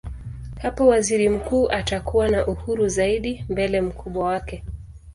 Hapo waziri mkuu atakuwa na uhuru zaidi mbele mkubwa wake.